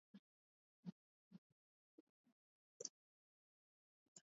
Biashara ya karafuu na watumwa visiwani Zanzibar